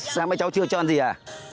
sao mấy cháu chưa cho ăn gì à